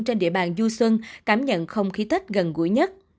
trên địa bàn du sơn cảm nhận không khí thất gần gũi nhất